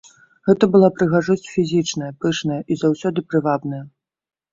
Гэта была прыгажосць фізічная, пышная і заўсёды прывабная.